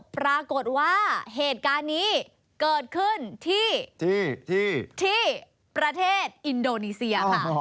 ปรากฏว่าเหตุการณ์นี้เกิดขึ้นที่ประเทศอินโดนีเซียค่ะ